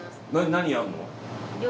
何やるの？